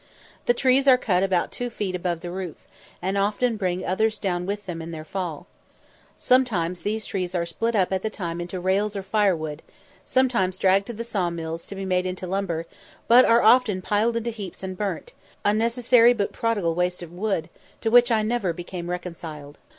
The trees are cut about two feet above the root, and often bring others down with them in their fall. Sometimes these trees are split up at the time into rails or firewood; sometimes dragged to the saw mills to be made into lumber; but are often piled into heaps and burnt a necessary but prodigal waste of wood, to which I never became reconciled.